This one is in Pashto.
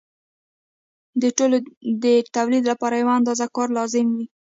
د ټولو د تولید لپاره یوه اندازه کار لازم وي